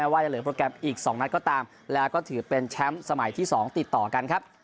ว่าจะเหลือโปรแกรมอีก๒นัดก็ตามแล้วก็ถือเป็นแชมป์สมัยที่๒ติดต่อกันครับ